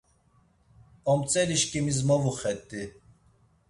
Omtzelişǩimis movuxet̆i.